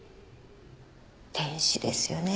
天使ですよね